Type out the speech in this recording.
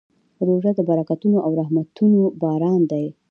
روژه د برکتونو او رحمتونو باران دی.